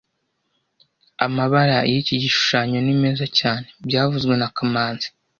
Amabara yiki gishushanyo ni meza cyane byavuzwe na kamanzi